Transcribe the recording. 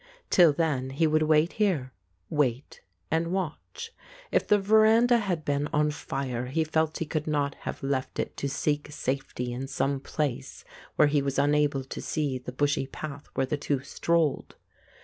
Till then he would wait here, wait and watch. If the veranda had been on fire, he felt he could not have left it to seek safety in some place where he was unable to see the bushy path where the two strolled.